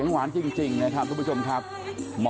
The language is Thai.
ขอบคุณมากเลยค่ะพี่ฟังเสียงคุณหมอนะฮะพร้อมจริงครับท่านผู้ชมครับ